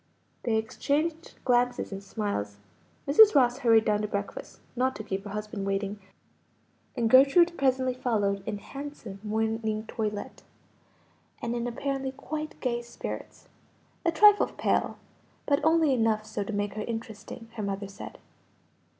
They exchanged glances and smiles. Mrs. Ross hurried down to breakfast, not to keep her husband waiting, and Gertrude presently followed in handsome morning toilet, and in apparently quite gay spirits; a trifle pale, but only enough so to make her interesting, her mother said.